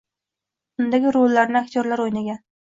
Undagi rollarni aktyorlar oʻynagan...